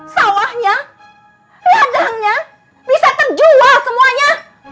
sawahnya ladangnya bisa terjual semuanya